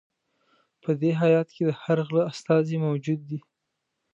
په دې هیات کې د هر غله استازی موجود دی.